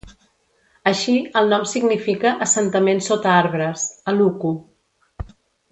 Així, el nom significa assentament sota arbres "aluku".